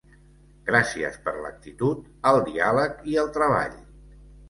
Gràcies per l'actitud, el diàleg i el treball.